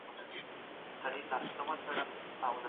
درسونه د انلاين کورس له لارې تکرار کړه.